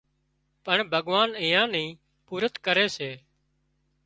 پڻ ڀڳوان ايئان نِي پُورت ڪري سي